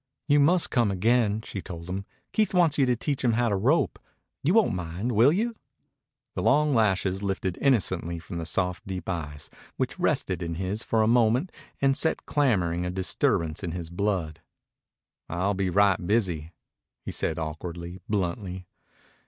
"You must come again," she told him. "Keith wants you to teach him how to rope. You won't mind, will you?" The long lashes lifted innocently from the soft deep eyes, which rested in his for a moment and set clamoring a disturbance in his blood. "I'll be right busy," he said awkwardly, bluntly.